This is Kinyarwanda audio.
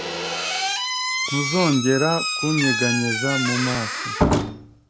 Ntuzongere kunyeganyeza mu maso